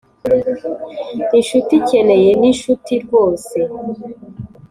inshuti ikeneye ninshuti rwose.